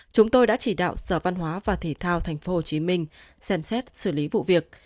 chúng tôi đã chỉ đạo sở văn hóa và thể thao tp hcm xem xét xử lý vụ việc